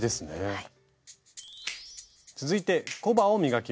はい。